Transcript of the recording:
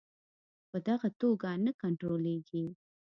په دغه توګه نه کنټرولیږي.